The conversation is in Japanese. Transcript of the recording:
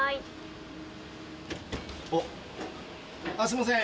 おっすいません